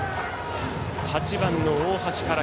８番の大橋から。